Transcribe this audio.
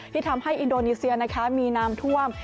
ที่ทำให้อินโดนีเซียมีน้ำท่วม